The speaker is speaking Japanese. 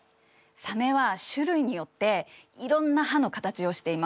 サメは種類によっていろんな歯の形をしています。